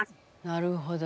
なるほど。